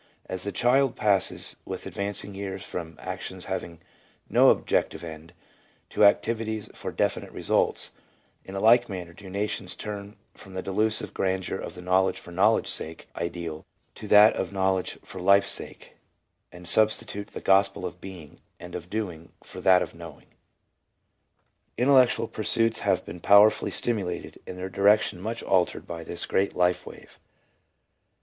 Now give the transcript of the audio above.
As the child passes with advancing years from actions having no objective end to activities for definite results, in a like manner do nations turn from the delusive grandeur of the knowledge for knowl edge's sake ideal to that of knowledge for life's sake, and substitute the Gospel of Being and of Doing for that of Knowing. Intellectual pursuits have been powerfully stimulated and their direction much altered by this great life wave.